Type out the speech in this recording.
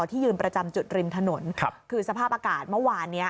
ที่ยืนประจำจุดริมถนนครับคือสภาพอากาศเมื่อวานเนี้ย